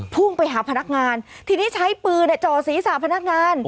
พุ่งไปหาพนักงานทีนี้ใช้ปืนจ่อศีรษะพนักงาน